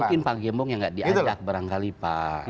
mungkin pak gembong yang nggak diajak barangkali pak